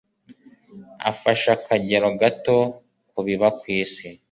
ufashe akagero gato ku biba ku isi